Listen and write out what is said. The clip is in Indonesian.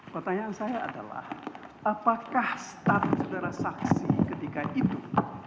pertanyaan saya adalah apakah status saudara saksi ketika itu